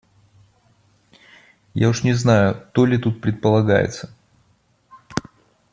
Я уж не знаю, то ли тут предполагается.